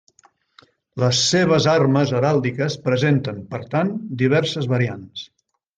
Les seves armes heràldiques presenten, per tant, diverses variants.